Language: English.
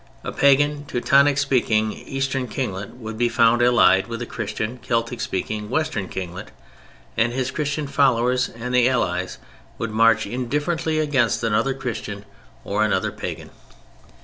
A Pagan Teutonic speaking Eastern kinglet would be found allied with a Christian Celtic speaking Western kinglet and his Christian followers; and the allies would march indifferently against another Christian or another pagan.